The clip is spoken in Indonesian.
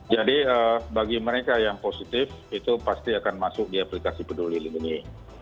jadi bagi mereka yang positif itu pasti akan masuk di aplikasi peduli ini